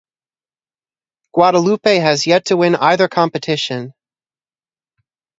Guadeloupe has yet to win either competition.